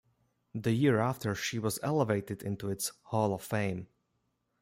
The year after she was elevated into its Hall of Fame.